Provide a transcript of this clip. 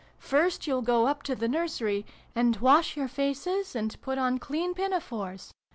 First you'll go up to the nursery, and wash your faces, and put on clean pinafores.